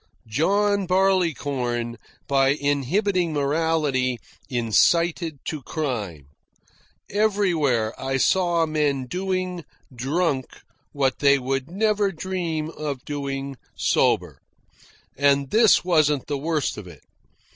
John Barleycorn, by inhibiting morality, incited to crime. Everywhere I saw men doing, drunk, what they would never dream of doing sober. And this wasn't the worst of it.